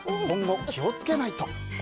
今後、気を付けないと。